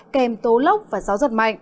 kèm tố lốc và gió giật mạnh